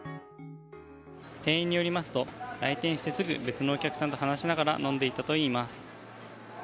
店員によりますと来店してすぐ別のお客さんと話しながら飲んでいたといいます。